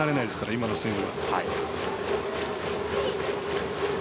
今のスイング。